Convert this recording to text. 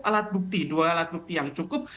alat bukti dua alat bukti yang cukup